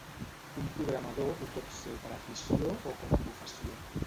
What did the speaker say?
Un programador ho pot ser per afició o com a professió.